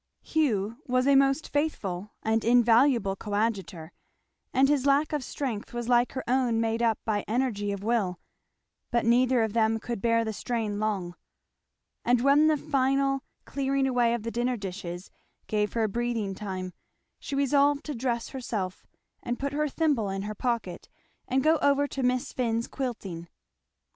Hugh was a most faithful and invaluable coadjutor, and his lack of strength was like her own made up by energy of will; but neither of them could bear the strain long; and when the final clearing away of the dinner dishes gave her a breathing time she resolved to dress herself and put her thimble in her pocket and go over to Miss Finn's quilting.